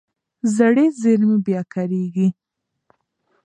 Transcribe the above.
زړې زېرمې بیا کارېږي.